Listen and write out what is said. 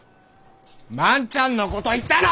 万ちゃんのこと言ったの！